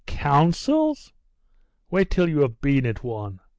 'Councils? Wait till you have been at one.